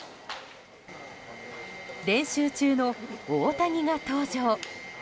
練習中の大谷が登場。